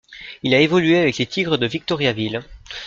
Il a évolué avec les Tigres de Victoriaville.